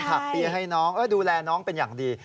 ผักเปียให้น้องดูแลน้องเป็นอย่างดี